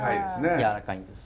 軟らかいんです。